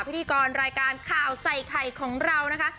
พิธีกรรายการข่าวใส่ไข่ของเรานะคะ